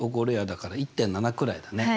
だから１．７くらいだね。